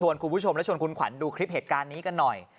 คุณผู้ชมและชวนคุณขวัญดูคลิปเหตุการณ์นี้กันหน่อย